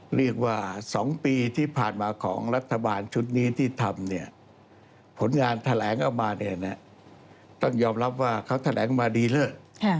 หลีกว่าสองปีที่ผ่านมาของรัฐบาลชุดนี้ที่ทำผลงานแถลงออกมาต้องยอมรับว่าเขาแถลงมาดีแล้ว